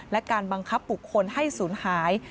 และการบังคับบุคคลให้ศูนย์หาย